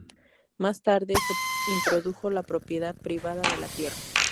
Más tarde se introdujo la propiedad privada de la tierra.